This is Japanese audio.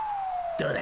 どうだ？］